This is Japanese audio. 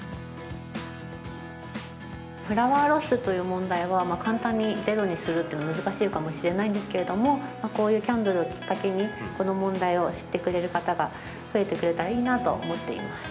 フラワーロスという問題は簡単にゼロにするっていうのは難しいかもしれないんですけどもこういうキャンドルをきっかけにこの問題を知ってくれる方が増えてくれたらいいなと思っています。